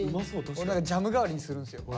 俺ジャム代わりにするんですよ。